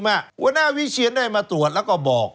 หัวหน้าวิเชียนได้มาตรวจแล้วก็บอก